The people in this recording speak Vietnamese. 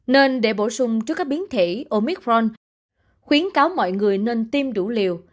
nên để bổ sung trước các biến thể omicron khuyến cáo mọi người nên tiêm đủ liều